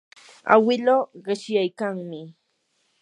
awiluu qishyaykanmi.